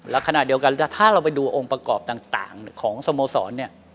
แล้วขณะเดียวกันถ้าเราไปดูองค์ประกอบต่างของสโมสรเนี่ย